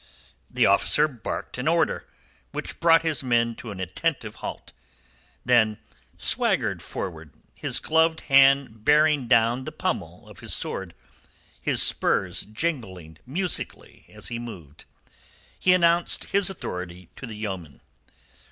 The officer barked an order, which brought his men to an attentive halt, then swaggered forward, his gloved hand bearing down the pummel of his sword, his spurs jingling musically as he moved. He announced his authority to the yeoman.